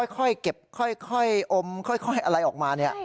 ค่อยเก็บค่อยอมค่อยอะไรออกมาเนี่ย